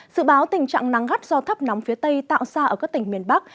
sự báo tình trạng nắng gắt do thấp nóng phía tây tạo ra ở các tỉnh miền bắc